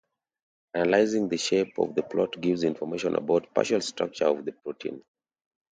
Analyzing the shape of the plot gives information about partial structure of the protein.